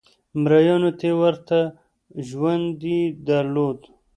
مریانو ته ورته ژوند یې درلود.